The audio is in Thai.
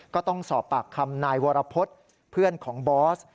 ก็ต้องสอบปากคำนายวรพฤษเพื่อนของบอส